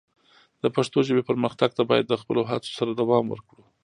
د پښتو ژبې پرمختګ ته باید د خپلو هڅو سره دوام ورکړو.